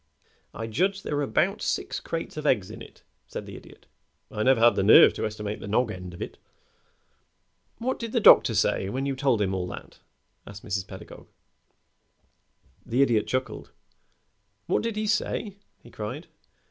"I judge there were about six crates of eggs in it," said the Idiot. "I never had the nerve to estimate the nog end of it." "What did the doctor say when you told him all that?" asked Mrs. Pedagog. The Idiot chuckled. "What did he say?" he cried.